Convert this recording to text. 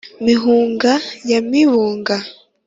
mihunga ya mibuga